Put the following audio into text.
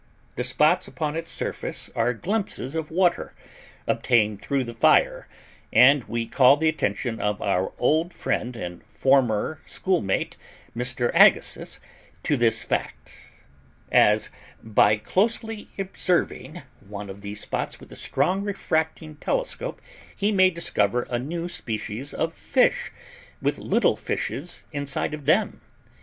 The spots upon its surface are glimpses of water, obtained through the fire; and we call the attention of our old friend and former schoolmate, Mr. Agassiz, to this fact; as by closely observing one of these spots with a strong refracting telescope he may discover a new species of fish, with little fishes inside of them.